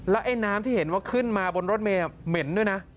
ไอ้น้ำที่เห็นว่าขึ้นมาบนรถเมย์เหม็นด้วยนะ